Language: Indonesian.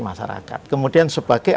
masyarakat kemudian sebagai